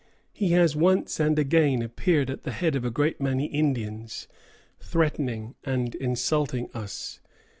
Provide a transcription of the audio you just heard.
He has once and again appeared at the head of a great many Indians, threatening and insulting us.